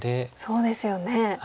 そうですよね。